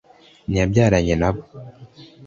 ntiyabyaranye nabo